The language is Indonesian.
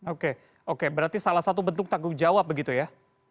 oke oke berarti salah satu bentuk tanggung jawab begitu ya